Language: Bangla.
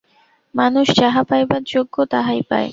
মানুষ যাহা পাইবার যোগ্য, তাহাই পায়।